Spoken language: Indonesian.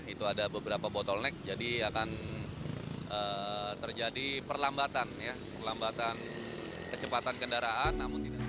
itu ada beberapa bottleneck jadi akan terjadi perlambatan ya perlambatan kecepatan kendaraan